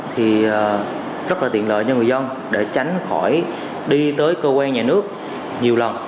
thì rất là tiện lợi cho người dân để tránh khỏi đi tới cơ quan nhà nước nhiều lần